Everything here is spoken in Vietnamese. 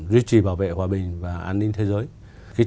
duy trì bảo vệ hòa bình và an ninh thế giới